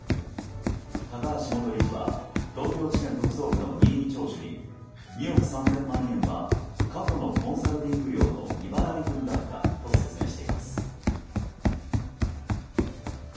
高橋元理事は東京地検特捜部の任意聴取に２億３０００万円は過去のコンサルティング料の未払い分だったと説明しています。